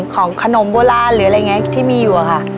ของขนมโบราณหรืออะไรอย่างนี้ที่มีอยู่อะค่ะ